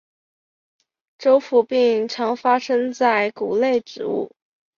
轴腐病常发生在谷类植物。